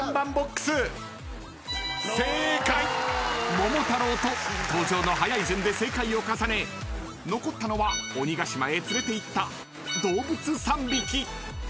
［桃太郎と登場の早い順で正解を重ね残ったのは鬼ヶ島へ連れていった動物３匹］